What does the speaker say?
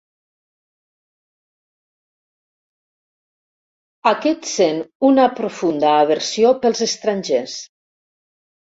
Aquest sent una profunda aversió pels estrangers.